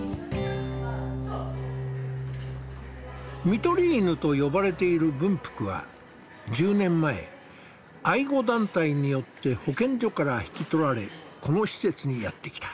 「看取り犬」と呼ばれている文福は１０年前愛護団体によって保健所から引き取られこの施設にやって来た。